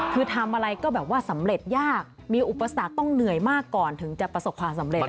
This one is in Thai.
คือทำอะไรก็แบบว่าสำเร็จยากมีอุปสรรคต้องเหนื่อยมากก่อนถึงจะประสบความสำเร็จ